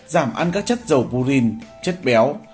giảm ăn các chất dầu purine chất béo